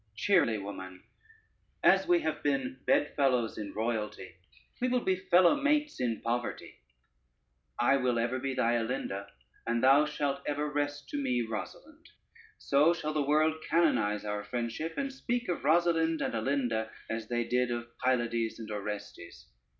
Cheerly, woman: as we have been bed fellows in royalty, we will be fellow mates in poverty: I will ever be thy Alinda, and thou shalt ever rest to me Rosalynde; so shall the world canonize our friendship, and speak of Rosalynde and Alinda, as they did of Pylades and Orestes.